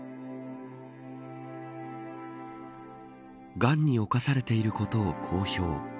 がんに侵されていることを公表。